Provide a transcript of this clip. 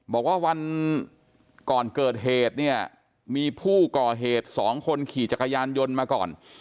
บอกว่าวันก่อนเกิดเหตุเนี่ยมีผู้ก่อเหตุ๒คนขี่จักรยานยนต์มาก่อน